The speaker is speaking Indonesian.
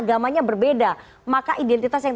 agamanya berbeda maka identitas yang